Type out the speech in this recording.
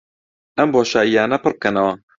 ئەم بۆشایییانە پڕ بکەنەوە